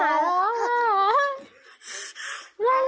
สวัสดีครับ